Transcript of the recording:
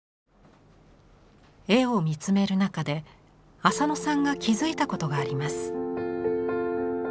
絵を見つめる中で浅野さんが気付いたことがあります。